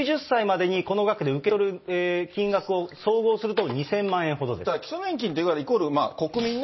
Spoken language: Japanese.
９０歳までにこの額で受け取る金額を総合すると２０００万円ほどだから基礎年金ってイコールそうです。